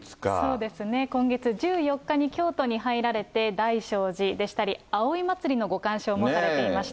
そうですね、今月１４日に京都に入られて、大聖寺でしたり、葵祭のご鑑賞もされていました。